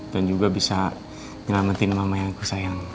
dan juga bisa nyelamatin mama yang aku sayang